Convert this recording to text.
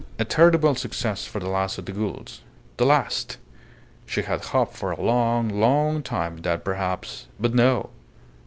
A terrible success for the last of the Goulds. The last! She had hoped for a long, long time, that perhaps But no!